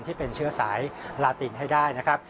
ที่เป็นเชื้อสายลาตินให้ได้นะครับ